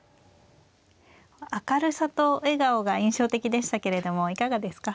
明るさと笑顔が印象的でしたけれどもいかがですか。